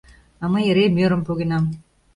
— А мый эре мӧрым погенам.